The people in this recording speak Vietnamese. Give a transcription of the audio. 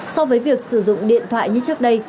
so với việc sử dụng điện thoại như trước đây